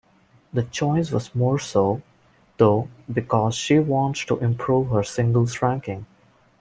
The choice was more so, though, because she wants to improve her singles ranking.